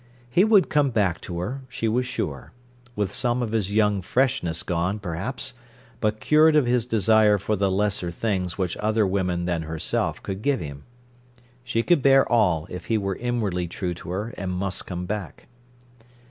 He would come back to her, she was sure; with some of his young freshness gone, perhaps, but cured of his desire for the lesser things which other women than herself could give him. She could bear all if he were inwardly true to her and must come back.